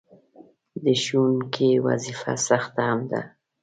د ښوونکي وظیفه سخته هم ده.